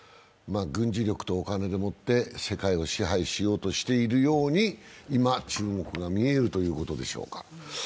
軍事力とお金でもって世界を支配しようとしているように今、中国が見えるということでしょうか。